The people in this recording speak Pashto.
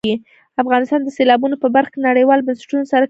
افغانستان د سیلابونه په برخه کې نړیوالو بنسټونو سره کار کوي.